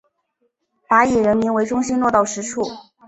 把以人民为中心落到实处